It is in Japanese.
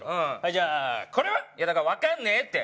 じゃあこれは？だからわかんねえって！